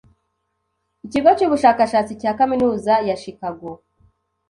ikigo cy’ubushakashatsi cya kaminuza ya Chicago